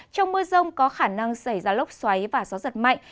trong mưa rông có khả năng xảy ra lốc xoáy và gió giật mạnh